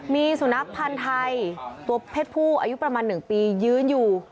มีสุนัขพันธ์ไทยตัวเพศผู้อายุประมาณ๑ปียืนอยู่